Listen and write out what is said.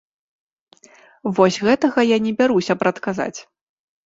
Вось гэтага я не бяруся прадказаць.